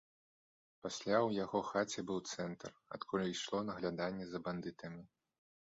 Пасля ў яго хаце быў цэнтр, адкуль ішло нагляданне за бандытамі.